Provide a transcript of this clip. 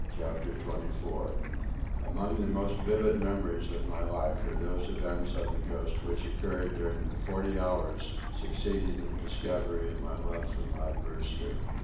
CHAPTER XXIV Among the most vivid memories of my life are those of the events on the Ghost which occurred during the forty hours succeeding the discovery of my love for Maud Brewster.